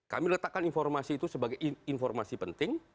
kami letakkan informasi itu sebagai informasi penting